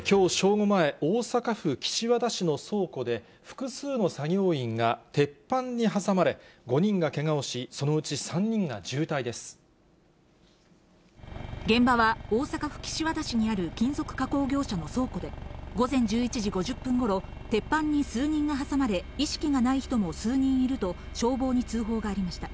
午前、大阪府岸和田市の倉庫で、複数の作業員が鉄板に挟まれ、５人がけ現場は、大阪府岸和田市にある金属加工業者の倉庫で、午前１１時５０分ごろ、鉄板に数人が挟まれ、意識がない人も数人いると、消防に通報がありました。